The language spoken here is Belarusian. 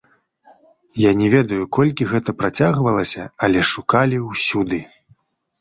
Я не ведаю, колькі гэта працягвалася, але шукалі ўсюды.